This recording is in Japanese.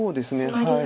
はい。